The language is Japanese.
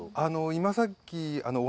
今さっき。